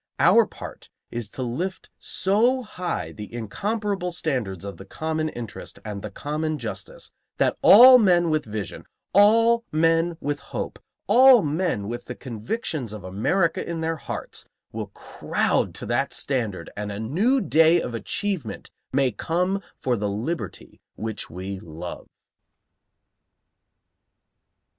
Our part is to lift so high the incomparable standards of the common interest and the common justice that all men with vision, all men with hope, all men with the convictions of America in their hearts, will crowd to that standard and a new day of achievement may come for the liberty which we love.